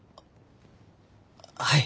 はい。